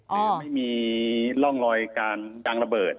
แต่ไม่มีร่องรอยการดังระเบิด